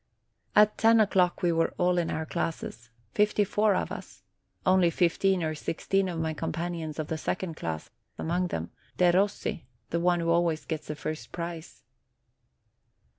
At ten o'clock we were all in our classes : fifty four of us; only fifteen or sixteen of my companions of the second class, among them, Derossi, the one who always gets the first prize.